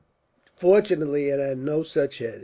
Fortunately, it had no such head.